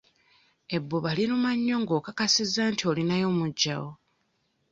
Ebbuba liruma nnyo ng'okakasizza nti olinayo muggyawo.